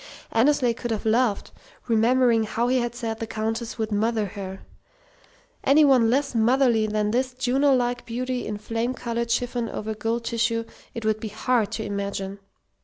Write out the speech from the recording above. Annesley could have laughed, remembering how he had said the Countess would "mother" her. Any one less motherly than this Juno like beauty in flame coloured chiffon over gold tissue it would be hard to imagine.